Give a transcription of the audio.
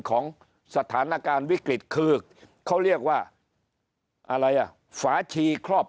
ของสถานการณ์วิกฤตคือเขาเรียกว่าอะไรอ่ะฝาชีครอบ